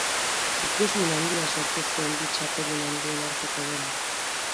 Ikusmin handia sortu zuen bi txapeldun handien arteko demak.